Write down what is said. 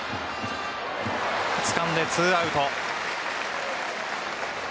つかんで２アウト。